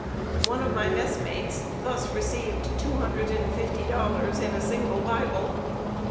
One of my messmates thus received two hundred and fifty dollars in a single Bible.